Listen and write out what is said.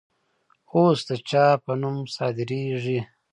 اوس د چا په نوم صادریږي؟